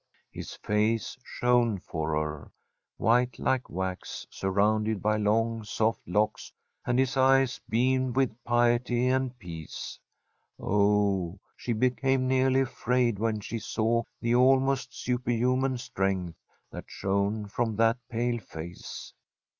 His face shone for her, white like wax, sur rounded by long, soft locks, and his eyes beamed with piety and peace. Oh, she became nearly afraid when she saw the almost superhuman strength that shone from that pale face.